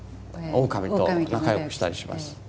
オオカミと仲良くしたりします。